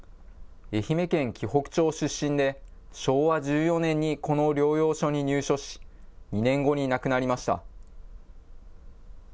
愛媛県鬼北町出身で、昭和１４年にこの療養所に入所し、２年後に亡くなりました。